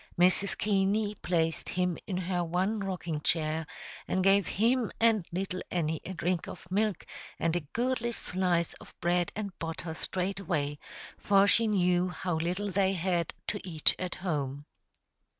Mrs. Keaney placed him in her one rocking chair, and gave him and little Annie a drink of milk and a goodly slice of bread and butter straightway, for she knew how little they had to eat at home.